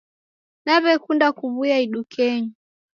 Nawe'kunda kuw'uya idukenyi.